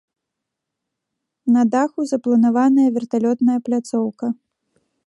На даху запланаваная верталётная пляцоўка.